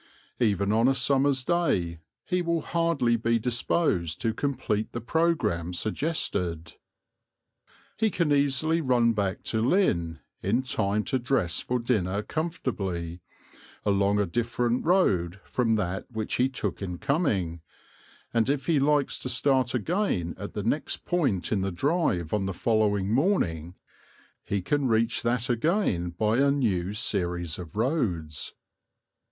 Even on a summer's day he will hardly be disposed to complete the programme suggested. He can easily run back to Lynn, in time to dress for dinner comfortably, along a different road from that which he took in coming, and if he likes to start again at the next point in the drive on the following morning, he can reach that again by a new series of roads.